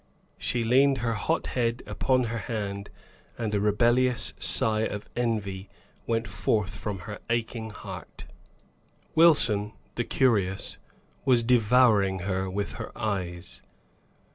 She leaned her hot head upon her hand, and a rebellious sigh of envy went forth from her aching heart. Wilson, the curious, was devouring her with her eyes.